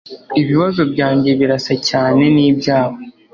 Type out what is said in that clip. Ibibazo byanjye birasa cyane nibyawe